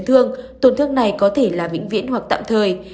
trong vòng một chấn thương tổn thương này có thể là vĩnh viễn hoặc tạm thời